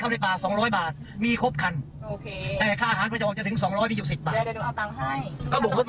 ก็ไม่มีค่าเดินทางพออย่างที่บอก